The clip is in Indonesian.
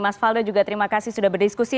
mas faldo juga terima kasih sudah berdiskusi